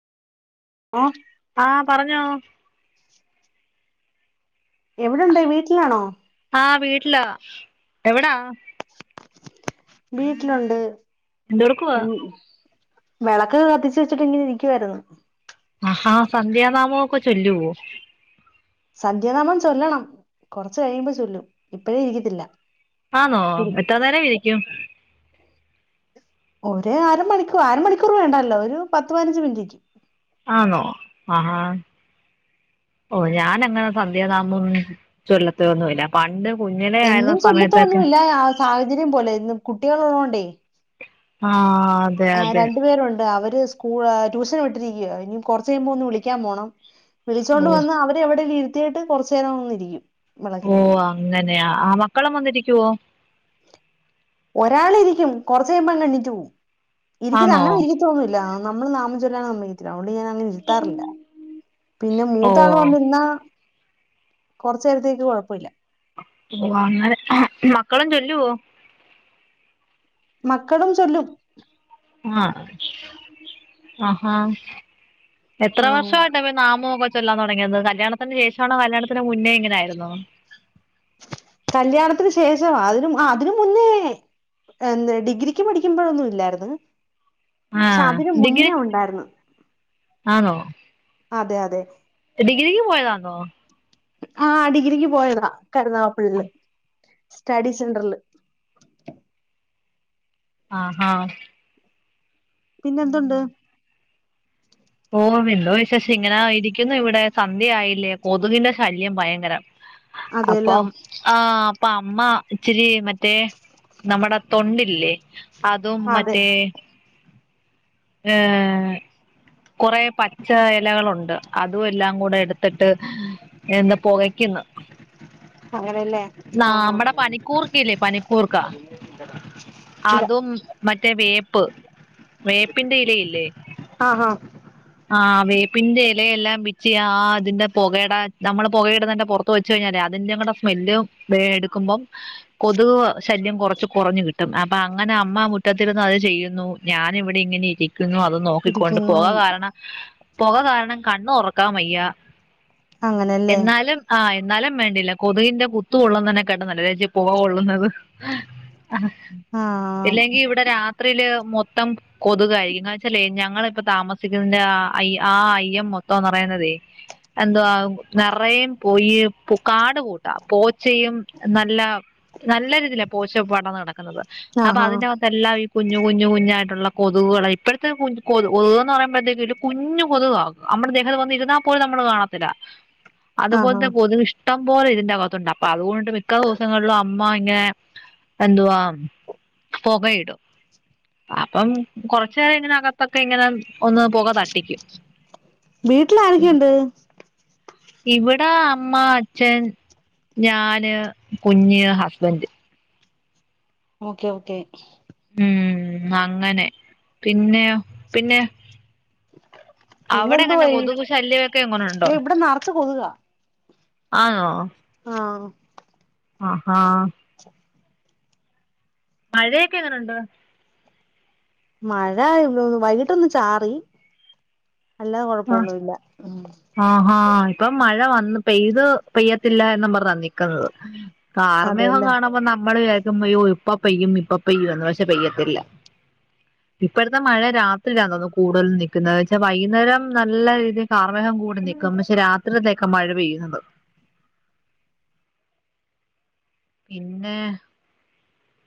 ഉം ആഹ് പറഞ്ഞോ. എവിടെയുണ്ട് വീട്ടിലാണോ? ആഹ് വീട്ടിലാ എവിടാ? വീട്ടിലുണ്ട്. എന്തെടുക്കുവാ? വിളക്ക് കത്തിച്ച് വെച്ചിട്ട് ഇങ്ങനെ ഇരിക്കുവായിരുന്നു. ആഹ് സന്ധ്യാനാമം ഒക്കെ ചൊല്ലുവോ? സന്ധ്യാനാമം ചൊല്ലണം കൊറച്ച് കഴിയുമ്പോ ചൊല്ലും ഇപ്പഴേ ഇരിക്കത്തില്ല. ആന്നോ എത്രന്നേരം ഇരിക്കും? ഒരു അരമണിക്കൂറ് അരമണിക്കൂർ വേണ്ടലോ, ഒരു പത്ത് പതിനഞ്ച് മിനിറ്റ് ഇരിക്കും. ആന്നോ ആഹ്. ഓ ഞാൻ അങ്ങനെ സന്ധ്യാനാമം ഒന്നും ചെല്ലത്തൊന്നുമില്ല, പണ്ട്. കുഞ്ഞിലേ ആയിരുന്ന എന്നും സമയത്തൊക്കെ ചൊല്ലത്തോന്നുമില്ല ആഹ് സാഹചര്യം പോലെ എന്നും കുട്ടികളെ ഉള്ളണ്ടേ. ആഹ് അതെ ആഹ് അതെ രണ്ടുപേരുണ്ട് അവര് സ്കൂൾ. ട്യൂഷൻ വിട്ടിരിക്കുവാ ഇനി കൊറച്ച് കഴുമ്പോ ഒന്ന് വിളിക്കാൻ പോണം, ഓ വിളിച്ചോണ്ട് വന്നാ അവരെ എവിടെലും ഇരു ത്തിയിട്ട് കൊറച്ച് നേരം വന്നിരിക്കും. ഓ അങ്ങനെയാ ആഹ് മക്കളും വന്നിരിക്കുവോ? ഒരാൾ ഇരിക്കും കൊറച്ച് കഴുമ്പോ അങ്ങ് എണീറ്റ് പോവും. ഇരിക്കില്ല ആന്നോ അങ്ങനെ ഇരിക്കൊത്തുന്നുല്ല നമ്മള് നാമം ചൊല്ലാൻ. [unintelligible] അതുകൊണ്ട് ഞാൻ അങ്ങനെ ഇരുത്താറില്ല പിന്നെ ഓ മൂത്താള് വന്നിരുന്നാ കൊറച്ച് നേരത്തേക്ക് കൊഴപ്പൊല്ല ഓ അങ്ങനെ മക്കളും ചൊല്ലുവോ മക്കളും ചൊല്ലും ആണോ ആഹാ എത്ര ആഹ് വർഷവായിട്ടാ ഇവര് നാമൊക്കെ ചൊ വെല്ലാം തൊടങ്ങിയത് കല്യാണത്തിന് ശേഷമാണോ കല്യാണത്തിന് മുന്നേ ഇങ്ങനായിരുന്നോ? കല്യാണത്തിന് ശേഷവാ അതിനും അതിനു മുന്നേ എന്ന് ഡിഗ്രിക്ക് പഠിക്കുമ്പഴൊന്നും ഇല്ലാരുന്ന് പക്ഷെ ആഹ് അതിന് ഡിഗ്രി മുന്നേ ഒണ്ടായിരുന്നു ആണോ അതെ അതെ ഡിഗ്രിക്ക് പോയതാന്നോ? ആഹ് ഡിഗ്രിക്ക് പോയതാ കരുനാഗപ്പള്ളില് സ്റ്റഡി സെന്റർല് ആഹാ പിന്നെന്തുണ്ട്? ഓഹ് എന്തോ വിശേഷം ഇങ്ങനെ ഇരിക്കുന്നു ഇവിടെ സന്ധ്യയായില്ലേ കൊതുകിന്റെ ശല്യം ഭയങ്കരം. അതെല്ലോ അപ്പം ആഹ് അപ്പ അമ്മ ഇച്ചിരി മറ്റേ നമ്മടെ തൊണ്ടില്ലേ? അതും അതെ മറ്റേ ഏഹ് കൊറെ പച്ച എലകളുണ്ട് അതും എല്ലാം കൂടെ എടുത്തിട്ട് എന്താ പൊകയ്ക്ക്ന്ന് [unintelligible] അങ്ങനെയല്ലേ നാ ആഹ് നമ്മടെ പനികൂർക്കയില്ലേ? പനികൂർക്ക ഇല്ല അതും മറ്റേ വേപ്പ് വേപ്പിന്റെ ഇലയില്ലേ? ആഹ് ആഹ് ആഹ് വേപ്പിന്റെ എലയെല്ലാം പിച്ചിയാ ആ അതിന്റെ പോകേടെ നമ്മള് പൊകയയിടുന്നെന്റെ പൊറത്ത് വെച്ച് കഴിഞ്ഞാലെ അ- അതിന്റെ കൂടെ സ്മെല്ല് എടുക്കുമ്പോം കൊതുക് ശല്യം കൊറച്ച് കൊറഞ്ഞ് കിട്ടും അപ്പ അങ്ങനെ- അമ്മ മുറ്റത്തിരുന്ന് അത് ചെയ്യുന്നു ഞാൻ ഇവിടെ ഇങ്ങനെയിരിക്കു - ക്കുന്നു അത് നോക്കിക്കൊണ്ട് പൊക ഇരിക്കുന്നു കാരണം പൊക കാരണം കണ്ണ് തൊറക്കാൻ വയ്യാ അങ്ങനെയല്ലേ എന്നാലും ആ- ന്നാലും വേണ്ടിയേല കൊതുകിന്റെ കുത്ത്കൊള്ളുന്നതിനെക്കാട്ടി നല്ലതാ ഈ പൊക കൊള്ളുന്നത് ആഹ് ഇല്ലെങ്കി ഇവിടെ രാത്രിയില് മൊത്തം കൊതുകായിയിരിക്കും എന്ന് വെച്ചാല് ഞങ്ങള്- ഇപ്പൊ താമസിക്കുന്നതിന്റെ ആ ആ അയ്യം മൊത്തംന്ന് പറയുന്നതേ- എന്താ നെറയും പോയി കാട്- കൂട്ട പോച്ചയും നല്ല നല്ല രീതിയിലാ പോച്ച പടന്നുകാണാൻ - അപ്പൊ ആഹാ അതിനകത്തെല്ലാം ഈ കുഞ്ഞു കുഞ്ഞു കുഞ്ഞു ആയിട്ടുള്ള കൊതുകളാ ഇപ്പഴത്തെ കൊതു- കൊതുന്ന് പറയുമ്പഴത്തേക്കും ഒരു കുഞ്ഞു കൊതുവാവും നമ്മുടെ ദേഹത്ത് വന്ന ഇരുന്നാ പോലും നമ്മള് കാണത്തില്ല ആഹാ അതുപോലത്തെെ കൊതുക് ഇഷ്ടം- ട്ടം പോലെ ഇതിന്റ അകത്തു ഉണ്ട് അപ്പൊ അതുകൊണ്ട് മിക്ക ദെവസങ്ങളിലും അമ്മ ഇങ്ങനെ- എന്തുവാ പൊകയിടും അപ്പം കൊറച്ച് നേരം ഇതിനക - ഒക്കെ ഇങ്ങനെ ഒന്ന് പൊക തട്ടിക്കും വീട്ടിലാരൊക്കെയുണ്ട് ഇവിട അമ്മ അച്ഛൻ ഞാന് കുഞ്ഞ് ഹസ്ബന്ഡ് ഓക്കെ ഓക്കെ ഉം അങ്ങനെ പിന്നെയോ പിന്നെ അവിടെ പിന്നെന്തോ എങ്ങനെ വഴി കൊതുകു ശല്യമൊക്കെ എങ്ങനുണ്ടോ ഇവിടെ നറച്ച് കൊതുകാ ആന്നോ ആഹ് ആഹ് ഹാ മഴയൊക്കെ എങ്ങനെ ഒണ്ട് മഴ വൈകിട്ടൊന്ന് ചാറി അല്ലെ കൊഴപ്പൊന്നുമല്ല. ഇപ്പൊ മഴ വന്ന് പെയ്തു പെയ്യത്തില്ല എന്നും പറഞ്ഞാ നിൽക്കുന്നത്. കാർമേഘം അതെല്ലേ കാണുമ്പോ നമ്മള് വിചാരി ഇപ്പൊ മഴ വരും ഇപ്പം പെയ്യും ഇപ്പം പെയ്യും എന്നുവെച്ചാൽ പെയ്യത്തില്ല. ഇപ്പോഴത്തെ മഴ രാത്രിയിൽ ആന്നെന്നു കൂടുതൽ നിൽക്കുന്നത് എന്നുവെച്ചാൽ വൈകുന്നേരം. നല്ല രീതിയിൽ കാർമേഘം കൂടി നിൽക്കും, പക്ഷേ രാത്രിത്തേക്ക് മഴ പെയ്യുന്ന. പ്പ് പിന്നെ